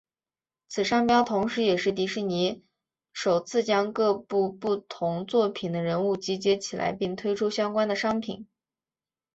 此商标同时也是迪士尼首次将各部不同作品的人物集结起来并推出相关的商品。